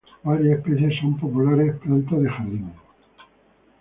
Varias especies son populares plantas de jardín.